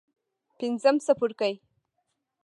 پنځم څپرکی.